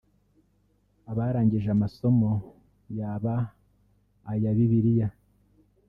Abarangije amasomo yaba aya bibiriya